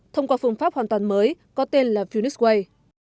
thông qua phương pháp hoàn toàn mới có tên là phunix way